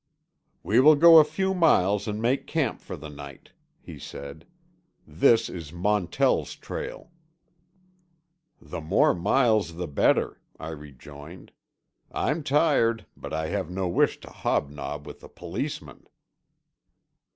"We will go a few miles and make camp for the night," he said. "This is Montell's trail." "The more miles the better," I rejoined. "I'm tired, but I have no wish to hobnob with the Policemen."